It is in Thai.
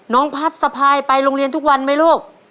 น้องพัชสภายไปโรงเรียนทุกวันไหมลูก